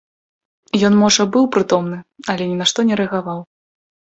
Ён можа быў прытомны, але ні на што не рэагаваў.